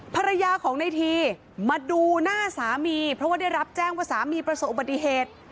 ภรรยาของในทีมาดูหน้าสามีเพราะว่าได้รับแจ้งว่าสามีประสบอุบัติเหตุ